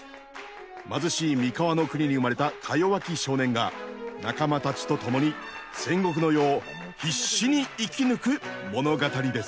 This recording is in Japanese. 貧しい三河の国に生まれたかよわき少年が仲間たちと共に戦国の世を必死に生き抜く物語です。